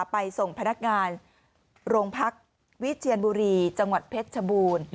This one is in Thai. ไปส่งพนักงานโรงพักวิเชียนบุรีจังหวัดเพชรชบูรณ์